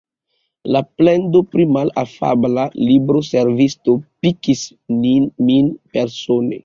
La plendo pri malafabla libroservisto pikis min persone.